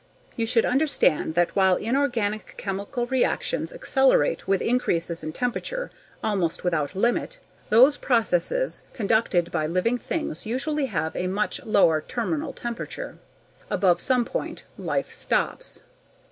You should understand that while inorganic chemical reactions accelerate with increases in temperature almost without limit, those processes conducted by living things usually have a much lower terminal temperature. Above some point, life stops.